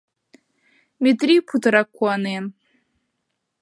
Метрий путырак куанен.